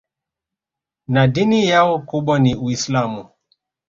Na dini yao kubwa ni Uislamu